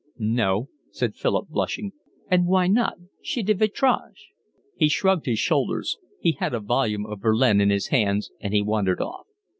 "No," said Philip, blushing. "And why not? C'est de votre age." He shrugged his shoulders. He had a volume of Verlaine in his hands, and he wandered off.